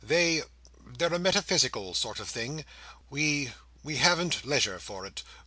They—they're a metaphysical sort of thing. We—we haven't leisure for it.